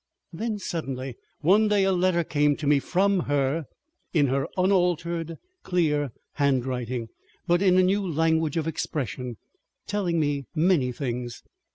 ... Then suddenly one day a letter came to me from her, in her unaltered clear handwriting, but in a new language of expression, telling me many things.